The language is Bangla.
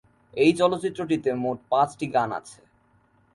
এই চলচ্চিত্রটিতে মোট পাঁচটি গান আছে।